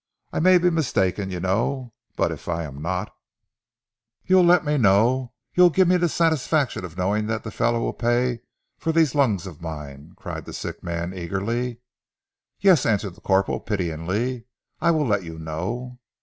I may be mistaken, you know. But if I am not " "You'll let me know? You'll give me the satisfaction of knowing that the fellow will pay for these lungs of mine?" cried the sick man eagerly. "Yes," answered the corporal pityingly. "I will let you know."